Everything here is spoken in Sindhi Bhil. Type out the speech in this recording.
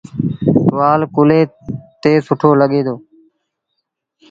ٽوآل ڪلهي تي سُٺو لڳي دو